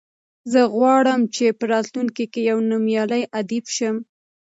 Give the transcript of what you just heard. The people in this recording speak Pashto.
زه غواړم چې په راتلونکي کې یو نومیالی ادیب شم.